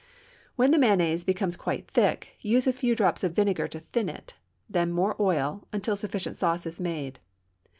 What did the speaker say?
When the mayonnaise becomes quite thick, use a few drops of vinegar to thin it; then more oil, until sufficient sauce is made.